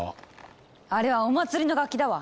あれはお祭りの楽器だわ。